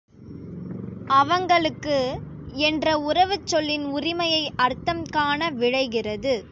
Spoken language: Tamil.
அவங்களுக்கு... என்ற உறவுச் சொல்லின் உரிமையை அர்த்தம் காண விழைகிறது.